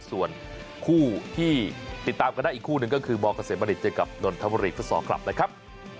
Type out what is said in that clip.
ส่วนคู่ที่ติดตามกันได้อีกคู่หนึ่งก็คือมเกษมณิตเจอกับนนทบุรีฟุตซอลคลับนะครับ